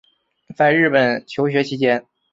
在日本求学期间